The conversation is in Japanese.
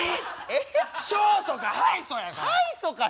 勝訴か敗訴やから。